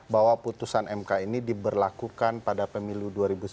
bahwa putusan mk ini diberlakukan pada pemilu dua ribu sembilan belas